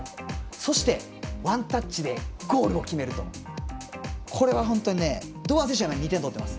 そして、ワンタッチでゴールを決めるとこれは本当に堂安選手は２点取ってます。